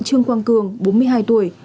trương quang cường bốn mươi hai tuổi